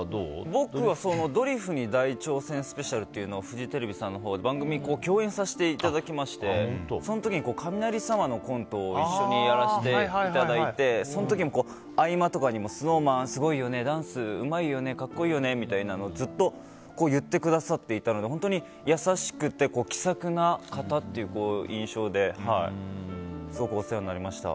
僕は「ドリフに大挑戦スペシャル」というフジテレビさんのほうで番組に共演させていただきましてその時に雷様のコントを一緒にやらせていただいてその時の合間とかにもＳｎｏｗＭａｎすごいよねダンスうまいよね格好いいよねみたいなことをずっと言ってくださっていたので本当に優しくて気さくな方という印象ですごくお世話になりました。